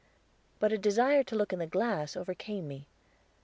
But a desire to look in the glass overcame me.